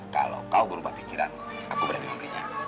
kalau kau berubah pikiran aku berani membelinya